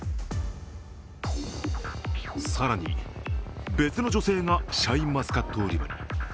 更に別の女性がシャインマスカット売り場に。